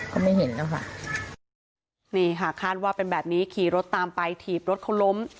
ก็ไม่เห็นนะคะนี่ค่ะคาดว่าเป็นแบบนี้ขี่รถตามไปถีบรถเขาล้ม